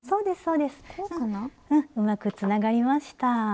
うんうまくつながりました。